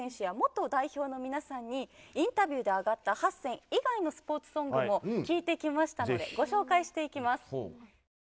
インタビューで挙がった８選以外のスポーツソングも聞いてきましたのでご紹介していきます。